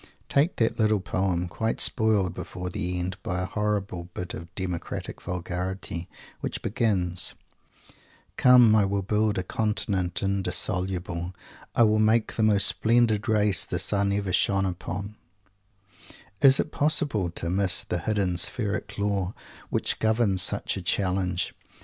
Take that little poem quite spoiled before the end by a horrible bit of democratic vulgarity which begins: "Come, I will build a Continent indissoluble; I will make the most splendid race the sun ever shone upon " Is it possible to miss the hidden spheric law which governs such a challenge?